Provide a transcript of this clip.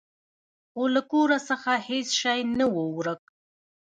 خو له کور څخه هیڅ شی نه و ورک.